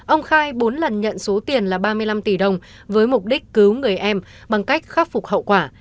ông khai bốn lần nhận số tiền là ba mươi năm tỷ đồng với mục đích cứu người em bằng cách khắc phục hậu quả